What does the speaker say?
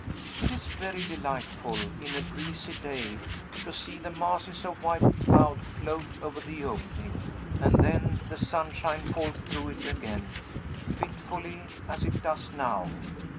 It is very delightful, in a breezy day, to see the masses of white cloud float over the opening, and then the sunshine fall through it again, fitfully, as it does now.